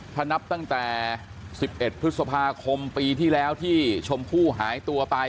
ถ้านับตั้งแต่๑๑พฤษภาคมปีที่แล้วที่ชมพู่หายตัวไป